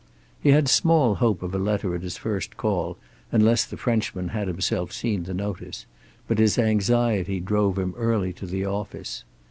He had small hope of a letter at his first call, unless the Frenchman had himself seen the notice, but his anxiety drove him early to the office.